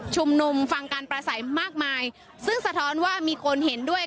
นุมฟังการประสัยมากมายซึ่งสะท้อนว่ามีคนเห็นด้วย